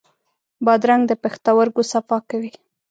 بادرنګ د پښتورګو صفا کوي.